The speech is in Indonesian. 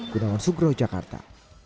gunawan sugro jakarta